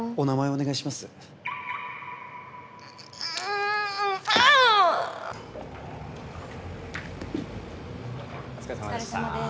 お疲れさまです。